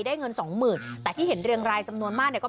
ได้เงิน๒๐๐๐๐แต่ที่เห็นเรียงรายจำนวนมากเนี่ย